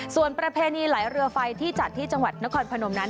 ส่วนประเพณีไหลเรือไฟที่จัดที่จังหวัดนครพนมนั้น